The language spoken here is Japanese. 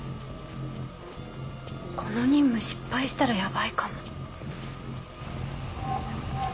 この任務失敗したらヤバいかも。